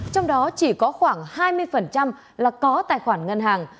trong đó chỉ có khoảng hai mươi là có tài khoản ngân hàng